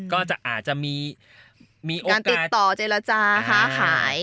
ก็อาจจะมีการติดต่อเจรจาค้าขาย